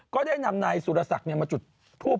ก็ได้นำนายสุรษะเนี่ยมาจุดทูป